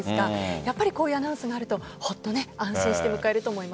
やっぱりアナウンスがあるとホッと安心して迎えられると思います。